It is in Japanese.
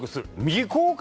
未公開？